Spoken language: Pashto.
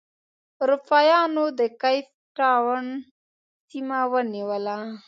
اروپا یانو د کیپ ټاون سیمه ونیوله.